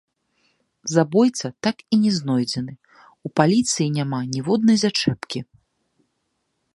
Забойца так і не знойдзены, у паліцыі няма ніводнай зачэпкі.